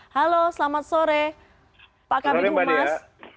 halo selamat sore pak kabit humas